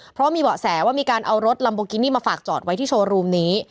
เพราะมีเบาะแสว่ามีการเอารถลัมโบกินี่มาฝากจอดไว้ที่โชว์รูมนี้